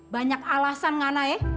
banyak alasan ngana ya